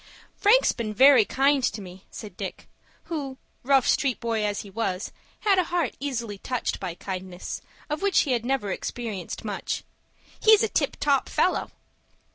"Frank's been very kind to me," said Dick, who, rough street boy as he was, had a heart easily touched by kindness, of which he had never experienced much. "He's a tip top fellow."